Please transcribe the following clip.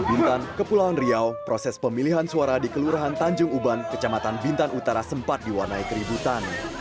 bintan kepulauan riau proses pemilihan suara di kelurahan tanjung uban kecamatan bintan utara sempat diwarnai keributan